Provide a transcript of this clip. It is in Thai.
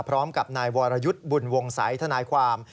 พร้อมกับนายวรยุทธ์บุญวงศัยธนายความ